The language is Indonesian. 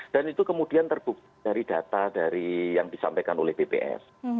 dan itu kemudian terbukti dari data yang disampaikan oleh bps